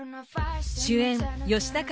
主演